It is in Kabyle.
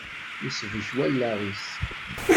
Isbek wallaɣ-is.